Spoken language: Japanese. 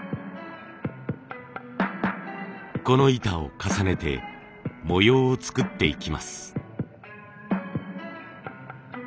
この板を重ねて模様を作っていきます。